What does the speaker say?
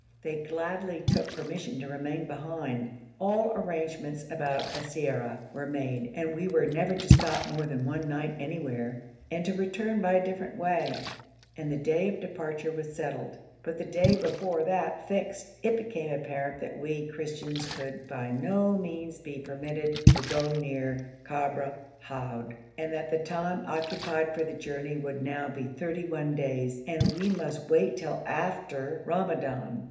They gladly took permission to remain behind. All arrangements about siyara were made, and we were never to stop more than one night anywhere, and to return by a different way, and the day of departure was settled; but the day before that fixed, it became apparent that we Christians could by no means be permitted to go near Kabr Houd, and that the time occupied for the journey would now be thirty one days, and we must wait till after Ramadan.